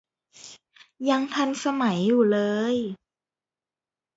ยังทันสมัยอยู่เลย